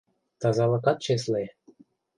Тазалыкат чесле.